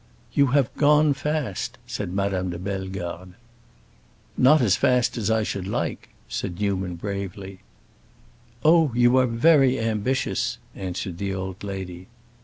"You have gone fast," said Madame de Bellegarde. "Not so fast as I should like," said Newman, bravely. "Oh, you are very ambitious," answered the old lady.